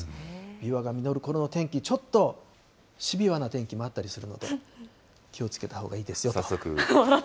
ビワが実るころの天気、ちょっとシビワな天気もあったりするので、気をつけたほうがいい早速。